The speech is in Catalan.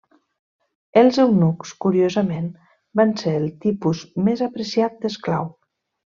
Els eunucs, curiosament, van ser el tipus més apreciat d'esclau.